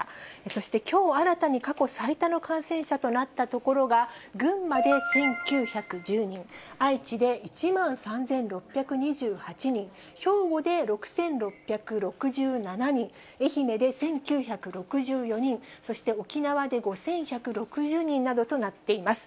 そして、きょう新たに過去最多の感染者となった所が、群馬で１９１０人、愛知で１万３６２８人、兵庫で６６６７人、愛媛で１９６４人、そして沖縄で５１６０人などとなっています。